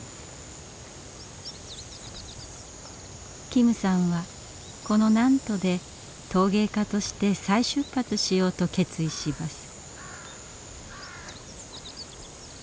金さんはこの南砺で陶芸家として再出発しようと決意します。